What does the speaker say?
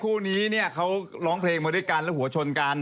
คู่นี้เนี่ยเขาร้องเพลงมาด้วยกันแล้วหัวชนกัน